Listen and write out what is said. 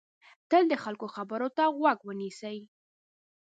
تل د خلکو خبرو ته غوږ ونیسئ.